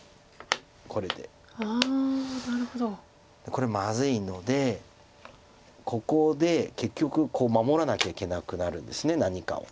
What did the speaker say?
これまずいのでここで結局守らなきゃいけなくなるんです何かを。